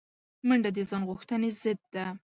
منډه د ځان غوښتنې ضد ده